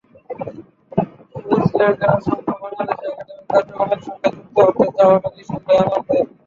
কুইন্সল্যান্ডের অসংখ্য বাংলাদেশির একাডেমির কার্যক্রমের সঙ্গে যুক্ত হতে চাওয়াটা নিঃসন্দেহে আনন্দের।